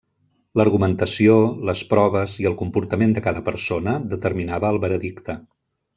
L'argumentació, les proves i el comportament de cada persona determinava el veredicte.